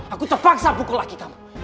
aku terpaksa pukul lagi kamu